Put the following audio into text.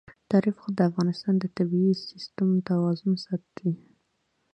تاریخ د افغانستان د طبعي سیسټم توازن ساتي.